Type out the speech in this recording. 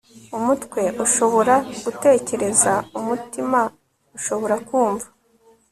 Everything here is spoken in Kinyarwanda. umutwe, ushobora gutekereza; umutima, ushobora kumva